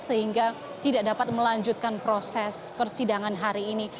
sehingga tidak dapat melanjutkan proses persidangan hari ini